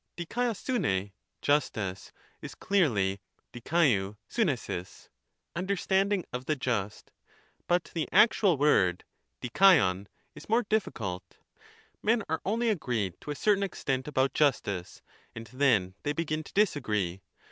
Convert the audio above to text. Aikqioovvt} (justice) is clearly diKUiov ovvEOiq (understanding of the just) ; but the actual word dUaiov is more difficult : men are only agreed to a certain extent about justice, and then they begin to disagree.